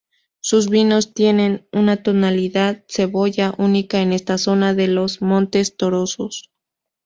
Sus vinos tienen una tonalidad cebolla, única en esta zona de los Montes Torozos.